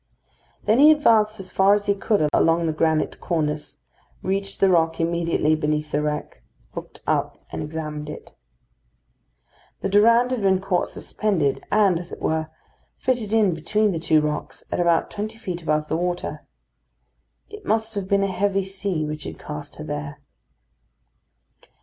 Then he advanced as far as he could along the granite cornice, reached the rock immediately beneath the wreck, looked up, and examined it. The Durande had been caught suspended, and, as it were, fitted in between the two rocks, at about twenty feet above the water. It must have been a heavy sea which had cast her there.